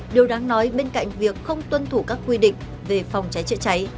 điều đáng nói bên cạnh việc không tuân thủ các quy định về phòng cháy chữa cháy